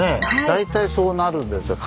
大体そうなるんですよ